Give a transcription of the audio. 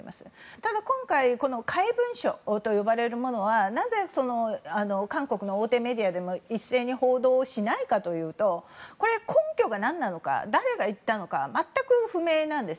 ただ、今回の怪文書と呼ばれるものはなぜ、韓国の大手メディアでも一斉に報道をしないかというとこれ、根拠が何なのか誰が言ったのか全く不明なんです。